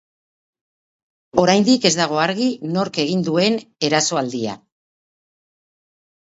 Oraindik ez dago argi nork egin duen erasoaldia.